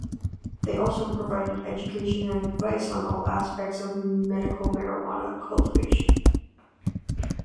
They also provided education and advice on all aspects of medical marijuana cultivation.